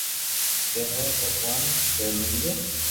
ھي ڪي ڀگوان ڪي ملئي